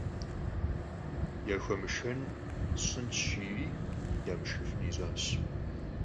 «Yaxuemışşxen sş'ınş», – jji'eri yamışşxıfın yiş'aş.